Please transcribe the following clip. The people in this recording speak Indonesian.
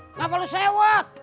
kenapa lu sewot